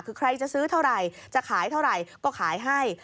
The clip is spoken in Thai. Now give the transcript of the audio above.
คือใครจะซื้อเท่าไหร่จะขายเท่าไหร่ก็ขายให้